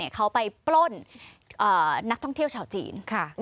เขาไปปล้นนักท่องเที่ยวชาวจีน